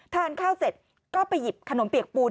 ทานข้าวเสร็จก็ไปหยิบขนมเปียกปูน